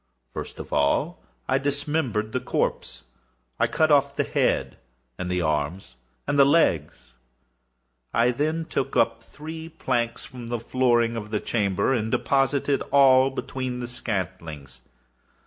First of all I dismembered the corpse. I cut off the head and the arms and the legs. I then took up three planks from the flooring of the chamber, and deposited all between the scantlings.